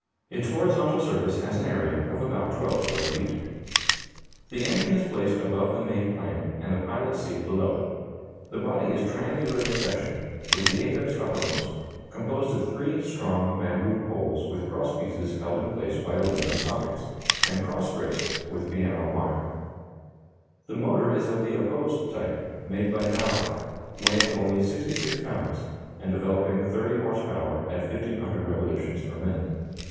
Its horizontal surface has an area of about 12 square feet. The engine is placed above the main plane and the pilot's seat below it. The body is triangular in section, with the apex uppermost, composed of three strong bamboo poles with cross pieces held in place by aluminum sockets, and cross braced with piano wire. [Illustration: Santos Dumont's La Demoiselle in flight.] The motor is of the opposed type, made by Darracq, weighing only 66 pounds, and developing 30 horse power at 1,500 revolutions per minute.